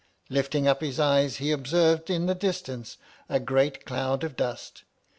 Lifting up his eyes, he observed in the distance a great cloud of dust.